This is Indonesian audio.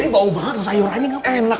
bau banget sayurannya enak